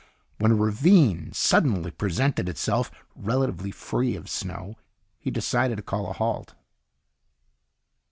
When a ravine suddenly presented itself, relatively free of snow, he decided to call a halt.